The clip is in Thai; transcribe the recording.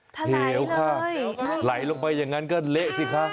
ถลายเลยถลายลงไปอย่างนั้นก็เละสิคะ